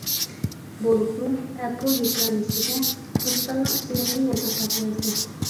بولۇپمۇ ‹ ‹ئەپۇ› › ھېكايىسىدە بوستاننىڭ ئىسمىنى ئەينەن ئاتاپ يازدى.